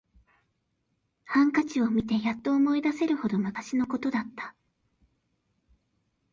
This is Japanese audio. ハンカチを見てやっと思い出せるほど昔のことだった